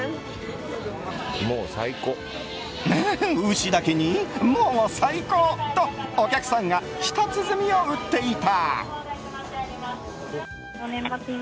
牛だけにモ最高！とお客さんが舌つづみを打っていた。